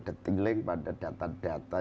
detailing pada data data